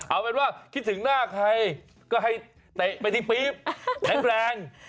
เอาเป็นว่าคิดถึงหน้าใครก็ให้เตะไปที่ปี๊บแข็งแรง